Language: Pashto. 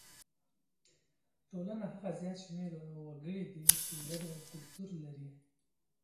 ټولنه هغه زیات شمېر وګړي دي چې ګډ کلتور لري.